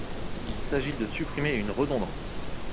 Il s’agit de supprimer une redondance.